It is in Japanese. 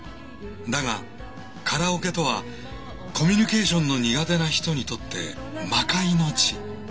だがカラオケとはコミュニケーションの苦手な人にとって魔界の地。